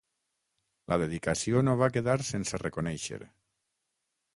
La dedicació no va quedar sense reconèixer.